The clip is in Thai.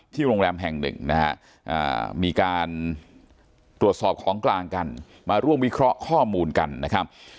โรงแรมแห่งหนึ่งนะฮะมีการตรวจสอบของกลางกันมาร่วมวิเคราะห์ข้อมูลกันนะครับ